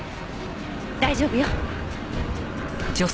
大丈夫よ。